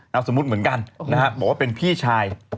เอาสมมุติเหมือนกันนะฮะบอกว่าเป็นพี่ชาย